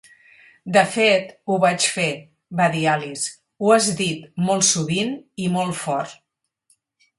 "De fet, ho vaig fer", va dir Alice: "ho has dit molt sovint i molt fort".